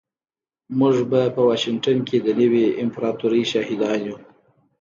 موږ به په واشنګټن کې د نوې امپراتورۍ شاهدان یو